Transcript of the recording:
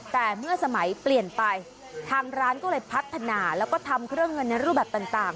แต่เมื่อสมัยเปลี่ยนไปทางร้านก็เลยพัฒนาแล้วก็ทำเครื่องเงินในรูปแบบต่าง